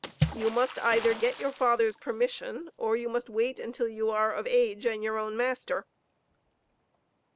"You must either get your father's permission, or you must wait until you are of age and your own master."